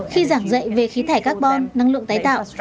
khi giảng dạy về khí thải carbon năng lượng tái tạo